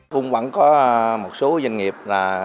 cũng vẫn có một số doanh nghiệp